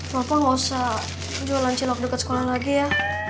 papa gak usah jualan cilok dekat sekolah lagi ya